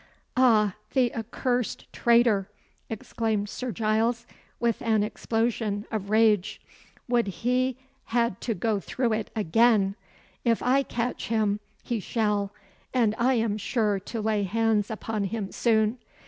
"Ah! the accursed traitor!" exclaimed Sir Giles, with an explosion of rage. "Would he had to go through it again! If I catch him, he shall and I am sure to lay hands upon him soon.